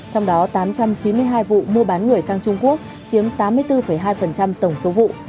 trong đó tám trăm chín mươi hai vụ mua bán người sang trung quốc chiếm tám mươi bốn hai tổng số vụ